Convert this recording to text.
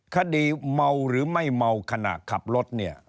คดีเมาหรือไม่เมาขณะขับรถ